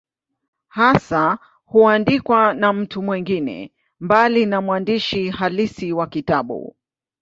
Hasa huandikwa na mtu mwingine, mbali na mwandishi halisi wa kitabu.